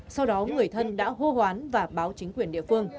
sau đó người thân đã hô hoán và báo chính quyền địa phương